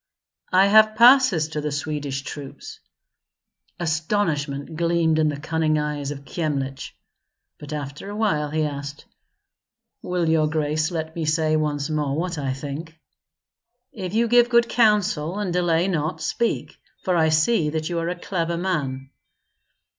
"I have passes to the Swedish troops." Astonishment gleamed in the cunning eyes of Kyemlich; but after a while he asked, "Will your grace let me say once more what I think?" "If you give good counsel and delay not, speak; for I see that you are a clever man."